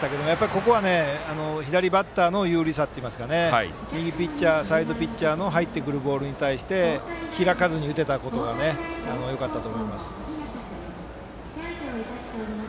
ここは左バッターの有利さといいますか右サイドハンドのピッチャーに対して開かずに打てたことがよかったと思います。